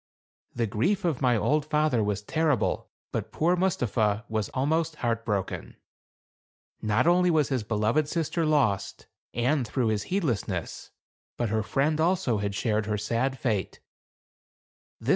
The grief of my old father was terrible ; but poor Mustapha was almost heart broken. Not only was his beloved sister lost, and through his heedlessness, but her friend also had shared her sad fate.